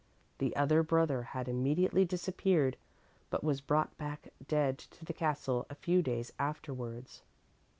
The other brother had immediately disappeared, but was brought back dead to the castle a few days afterwards.